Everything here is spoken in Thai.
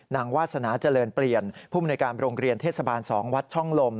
วาสนาเจริญเปลี่ยนผู้มนุยการโรงเรียนเทศบาล๒วัดช่องลม